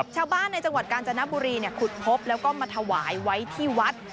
ชาวบ้านในจังหวัดกาญจนบุรีขุดพบแล้วก็มาถวายไว้ที่วัด